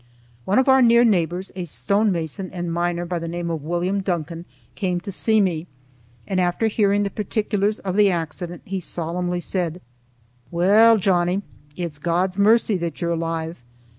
One of our near neighbors, a stone mason and miner by the name of William Duncan, came to see me, and after hearing the particulars of the accident he solemnly said: "Weel, Johnnie, it's God's mercy that you're alive.